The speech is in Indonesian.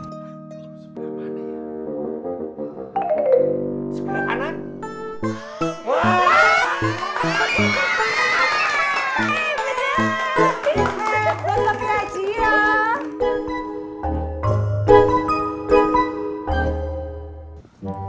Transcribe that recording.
beb buat papi aji ya